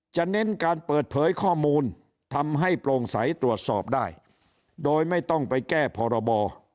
เน้นการเปิดเผยข้อมูลทำให้โปร่งใสตรวจสอบได้โดยไม่ต้องไปแก้พรบ